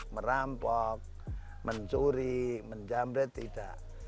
merampok mencuri menjamret tidak